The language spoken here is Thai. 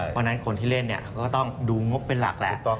เพราะฉะนั้นคนที่เล่นเนี่ยก็ต้องดูงบเป็นหลักแหละ